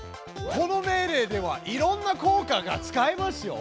この命令ではいろんな効果が使えますよ！